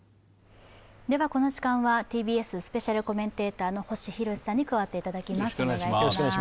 この時間はＴＢＳスペシャルコメンテーターの星浩さんに加わっていただきます。